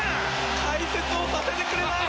解説をさせてくれない！